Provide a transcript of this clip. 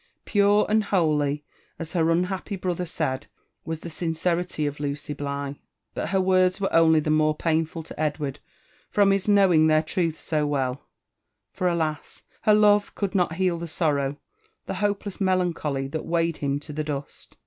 Pifre and holy; as her unhappy brother said, was the aincerity af Luey Btigh { but her words were only the more painful to Edward from hh knowing theirtruih so well : for alls ! her love could not heal the sorrow — the hopeless melancholy that welgiied him to the dust.